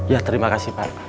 ya terima kasih pak